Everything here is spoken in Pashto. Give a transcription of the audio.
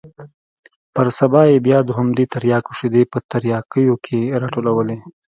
پر سبا يې بيا د همدې ترياکو شېدې په ترياكيو کښې راټولولې.